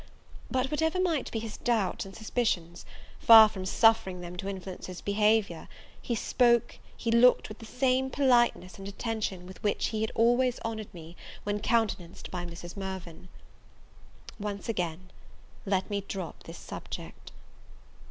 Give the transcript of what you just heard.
But whatever might be his doubts and suspicions, far from suffering them to influence his behaviour, he spoke, he looked with the same politeness and attention with which he had always honoured me when countenanced by Mrs. Mirvan. Once again, let me drop this subject.